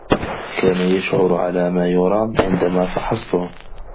كان يشعر على ما يرام عندما فحصته.